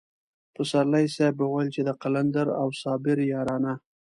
پسرلی صاحب به ويل چې د قلندر او صابر يارانه.